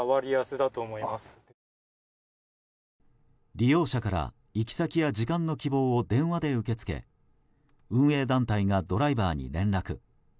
利用者から行き先や時間の希望を電話で受け付け運営団体がドライバーに連絡。